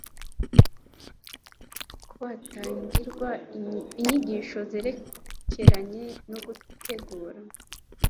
ko hatangirwa inyigisho zerekeranye no gutegura